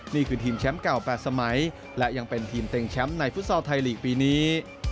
นี่คือทีมแชมป์เก่า๘สมัยและยังเป็นทีมเต็งแชมป์ในฟุตซอลไทยลีกปีนี้